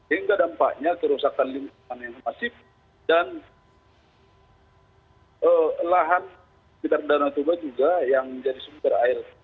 hingga dampaknya kerusakan lingkungan yang masif dan lahan sekitar danau toba juga yang menjadi sumber air